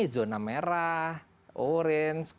zona merah orange